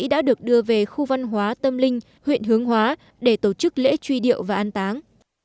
các bộ hài cốt được đưa về khu văn hóa tâm linh huyện hướng hóa để tổ chức lễ truy điệu và an táng